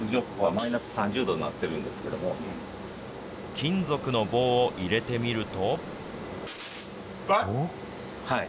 金属の棒を入れてみると。